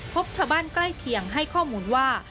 พบชาวบ้านใกล้เคียงให้ข้อมูลว่า